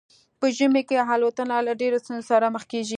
په ژمي کې الوتنه له ډیرو ستونزو سره مخ کیږي